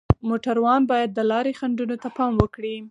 موټروان باید د لارې خنډونو ته پام وکړي.